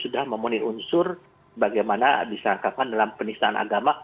sudah memenuhi unsur bagaimana disangkapan dalam penisahan agama